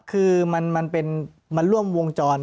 คือมันร่วมวงจร